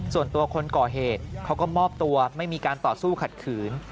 ส่วนตัวคนก่อเหตุเขาก็มอบตัวไม่มีการต่อสู้ขัดขืน